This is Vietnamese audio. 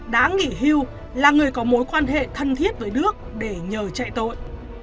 đã nghỉ hưu là người có mối quan hệ thân thiết với đức để nhờ chạy tội